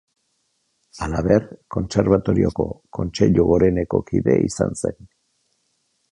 Halaber, Kontserbatorioko Kontseilu Goreneko kide izan zen.